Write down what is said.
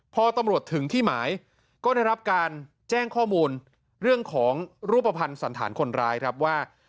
พอตำรวจถึงที่หมายก็ได้รับการแจ้งข้อมูลเรื่องของรูปภัณฑ์สันฐานคนร้ายครับว่า